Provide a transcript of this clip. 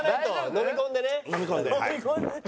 飲み込んではい。